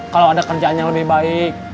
kalau ada kerjaan yang lebih baik